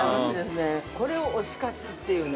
これを推し活っていうの？